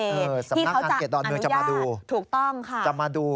ที่เขาจะอนุญาตถูกต้องค่ะสำนักงานเขตดอนเมืองจะมาดู